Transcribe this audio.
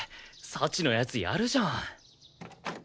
幸の奴やるじゃん